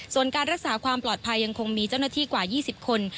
ส่วนการรักษาความปลอดภัยยังคงมีเจ้าหน้าที่กว่า๒๐คน